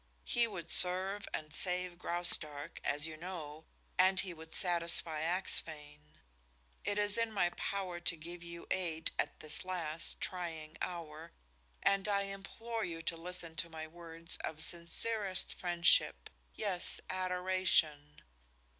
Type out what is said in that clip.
He would serve and save Graustark, as you know, and he would satisfy Axphain. It is in my power to give you aid at this last, trying hour, and I implore you to listen to my words of sincerest friendship, yes, adoration.